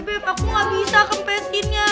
bebek aku gak bisa kempesinnya